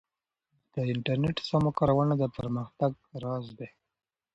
د انټرنیټ سمه کارونه د پرمختګ راز دی.